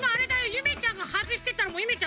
ゆめちゃんがはずしてたらもうゆめちゃん